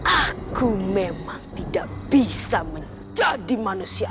aku memang tidak bisa menjadi manusia